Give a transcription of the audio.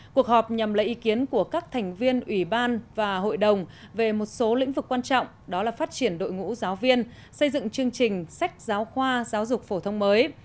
cuộc họp nhằm lấy ý kiến của các thành viên ủy ban và hội đồng về một số lĩnh vực quan trọng đó là phát triển đội ngũ giáo viên xây dựng chương trình sách giáo khoa giáo dục phổ thông mới